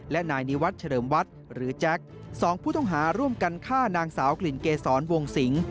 และนายนิวัตรเฉลิมวัดหรือแจ็ค๒ผู้ต้องหาร่วมกันฆ่านางสาวกลิ่นเกษรวงสิง